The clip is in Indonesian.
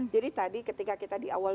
jadi tadi ketika kita di awal